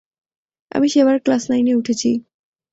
আমি সেবার ক্লাস নাইনে উঠেছি।